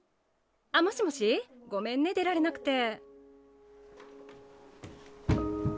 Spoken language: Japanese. あもしもしごめんね出られなくて。